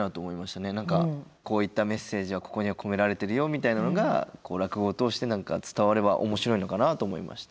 何かこういったメッセージがここには込められてるよみたいなのがこう落語を通して伝われば面白いのかなと思いました。